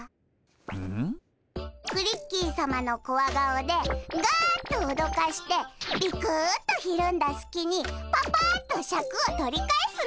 クリッキーさまのコワ顔でガッとおどかしてビクッとひるんだすきにパパッとシャクを取り返すのだ！